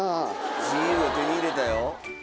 自由を手に入れたよ。